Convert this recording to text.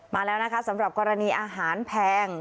มาแล้วนะคะสำหรับกรณีอาหารแพง